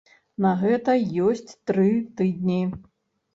На гэта ёсць тры тыдні.